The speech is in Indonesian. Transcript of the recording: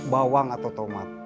bawang atau tomat